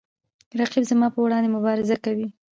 رقیب زما په وړاندې مبارزه کوي